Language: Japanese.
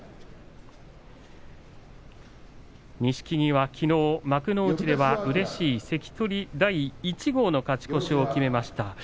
錦木はきのう幕内ではうれしい関取第１号の勝ち越しを決めました。